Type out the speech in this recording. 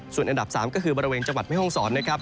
ส่วนอันดับ๓ก็คือบริเวณจังหวัดแม่ห้องศรนะครับ